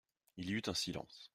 Il y eut un silence.